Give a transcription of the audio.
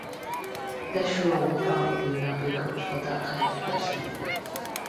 This rule will probably not be good for that kind of person.